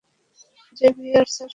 Xavier, sir.